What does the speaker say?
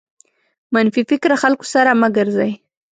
منفي فکره خلکو سره مه ګرځٸ.